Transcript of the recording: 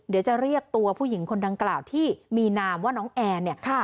เดี๋ยวจะเรียกตัวผู้หญิงคนดังกล่าวที่มีนามว่าน้องแอนเนี่ย